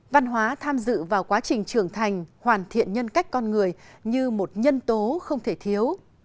văn hóa tham dự vào quá trình trưởng thành hoàn thiện nhân cách con người như một nhân tố không thể thiếu